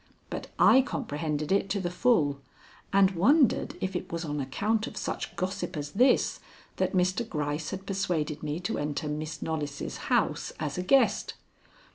But I comprehended it to the full, and wondered if it was on account of such gossip as this that Mr. Gryce had persuaded me to enter Miss Knollys' house as a guest.